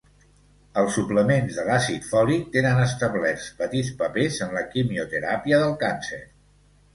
Els suplements de l'àcid fòlic tenen establerts petits papers en la quimioteràpia del càncer.